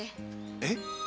えっ？